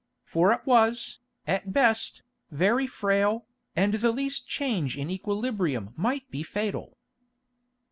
For it was, at best, very frail, and the least change in equilibrium might be fatal.